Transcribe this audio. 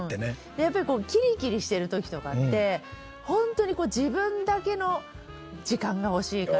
でやっぱりこうキリキリしてる時とかってホントに自分だけの時間が欲しいから。